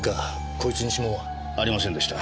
こいつに指紋は？ありませんでした。